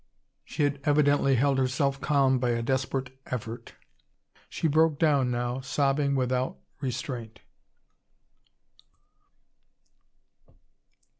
She had evidently held herself calm by a desperate effort. She broke down now, sobbing without restraint.